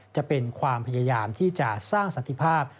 จะเป็นความพยายามที่จะสร้างสันติภาพ